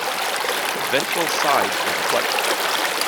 The ventral side is white.